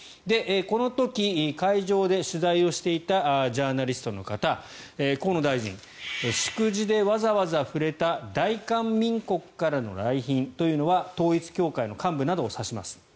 この時、会場で取材をしていたジャーナリストの方河野大臣、祝辞でわざわざ触れた大韓民国からの来賓というのは統一教会の幹部などを指します。